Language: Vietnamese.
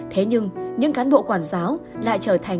thế nhưng những cán bộ quản giáo lại trở thành